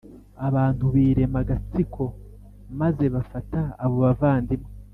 Abantu birema agatsiko maze bafata abo bavandimwe